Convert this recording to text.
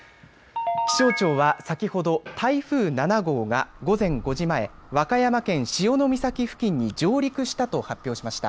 気象庁は、先ほど台風７号が午前５時前和歌山県潮岬付近に上陸したと発表しました。